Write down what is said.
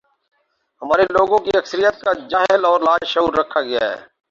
ہمارے لوگوں کی اکثریت کو جاہل اور لاشعور رکھا گیا ہے۔